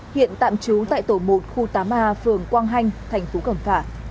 hiện tạm trú tại tổ một khu tám a phường quang hanh thành phố cẩm phả